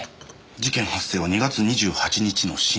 事件発生は２月２８日の深夜。